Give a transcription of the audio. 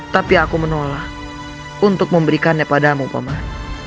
tapi aku menolak untuk memberikannya padamu pamah